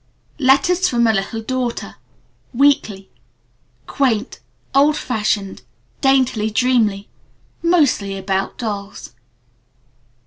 Letters from a Little Daughter. (Quaint. Old Fashioned. Weekly. Daintily Dreamy. Mostly about Dolls.)